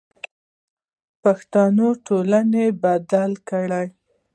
پښتنه ټولنه بدله کړئ.